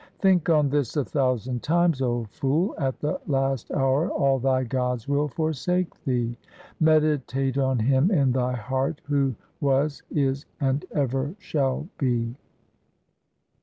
Think on this a thousand times, O fool, at the last hour all thy gods will forsake thee. Meditate on Him in thy heart who was, is, and ever shall be.